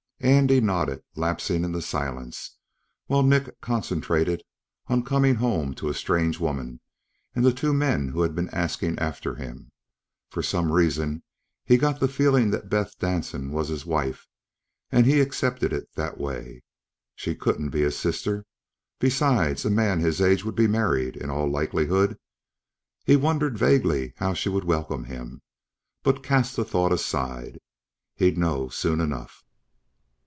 Andy nodded, lapsing into silence, while Nick concentrated on coming home to a strange woman, and the two men who had been asking after him. For some reason, he got the feeling that Beth Danson was his wife and he accepted it that way. She couldn't be his sister ... besides, a man his age would be married, in all likelihood. He wondered vaguely how she would welcome him, but cast the thought aside. He'd know soon enough.